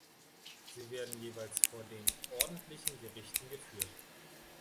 Sie werden jeweils vor den ordentlichen Gerichten geführt.